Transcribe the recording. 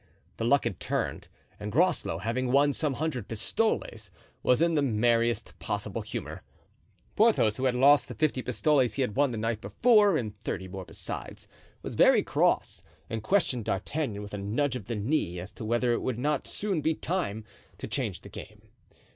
The luck had turned, and Groslow, having won some hundred pistoles, was in the merriest possible humor. Porthos, who had lost the fifty pistoles he had won the night before and thirty more besides, was very cross and questioned D'Artagnan with a nudge of the knee as to whether it would not soon be time to change the game.